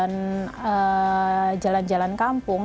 untuk jalan jalan kampung